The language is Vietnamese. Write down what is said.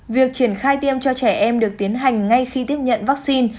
việc triển khai tiêm cho trẻ em được tiến hành ngay khi tiếp nhận vaccine